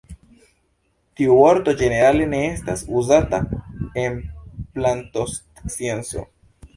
Tiu vorto ĝenerale ne estas uzata en plantoscienco.